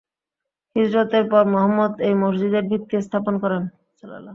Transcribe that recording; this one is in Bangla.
হিজরতের পর মুহাম্মদ এই মসজিদের ভিত্তি স্থাপন করেন।